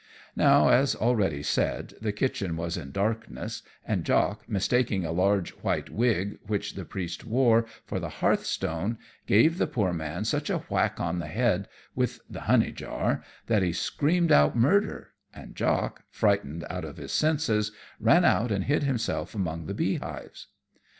Now, as already said, the kitchen was in darkness; and Jock, mistaking a large white wig, which the priest wore, for the hearth stone, gave the poor man such a whack on the head with the honey jar that he screamed out murder; and Jock, frightened out of his senses, ran out and hid himself among the bee hives.